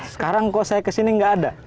sekarang kok saya kesini nggak ada